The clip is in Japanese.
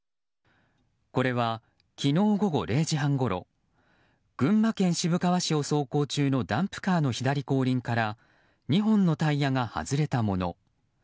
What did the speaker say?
これは、昨日午後０時半ごろ群馬県渋川市を走行中のダンプカーの左後輪から２本のタイヤが外れたもの。